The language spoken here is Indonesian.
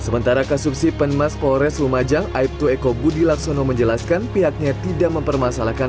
sementara kasupsi penemas polres rumajang aibtu eko budi laksono menjelaskan pihaknya tidak mempermasalahkan